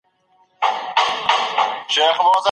ده د خلکو لپاره د صداقت فضاء رامنځته کړه.